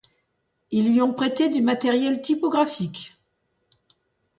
Ils lui ont prêté du matériel typographique.